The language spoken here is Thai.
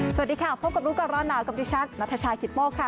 สวัสดีค่ะพบกับลูกการรอหนาวกับดิชักณชายคิดโม่ค่ะ